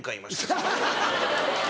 ハハハハ。